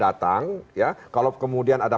datang kalau kemudian ada